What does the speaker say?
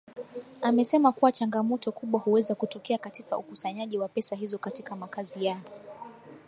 Amesema kuwa changamoto kubwa huweza kutokea katika ukusanyaji wa pesa hizo katika makazi ya